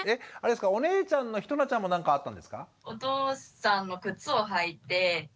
お姉ちゃんのひとなちゃんも何かあったんですか？